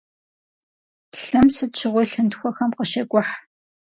Лъым сыт щыгъуи лъынтхуэхэм къыщекӀухь.